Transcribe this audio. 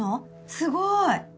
すごい。